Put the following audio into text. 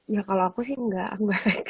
ya kalau aku sih nggak efektif